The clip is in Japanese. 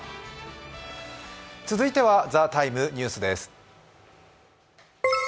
続いては「ＴＨＥＴＩＭＥ，ニュース」です。